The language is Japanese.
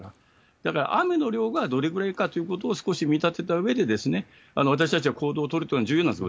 だから雨の量がどれぐらいかということを少し見立てたうえで私たちは行動を取るというのが重要なんですよ。